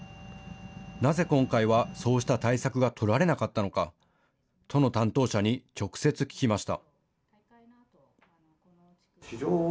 なぜ今回はそうした対策が取られなかったのか都の担当者に直接聞きました。